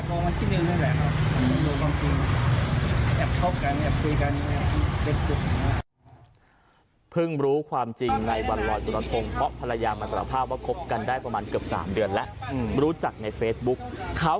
อ๋อคือแฟนเข้ามาสารภาพของเราใช่ไหมครับ